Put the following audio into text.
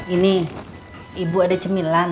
ini ibu ada cemilan